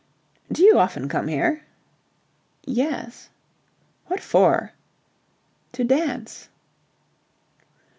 "Do you often come here?" "Yes." "What for?" "To dance."